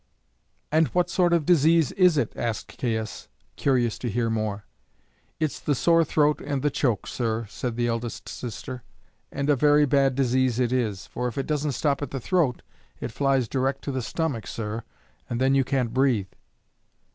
"And what sort of a disease is it?" asked Caius, curious to hear more. "It's the sore throat and the choke, sir," said the eldest sister, "and a very bad disease it is, for if it doesn't stop at the throat, it flies direct to the stomach, sir, and then you can't breathe."